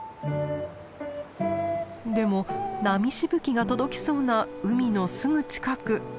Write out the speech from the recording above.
でも波しぶきが届きそうな海のすぐ近く。